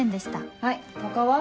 はい他は？